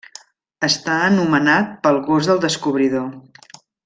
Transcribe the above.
Està anomenat pel gos del descobridor.